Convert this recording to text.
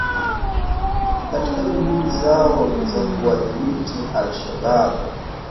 katika juhudi zao za kuwadhibiti al Shabaab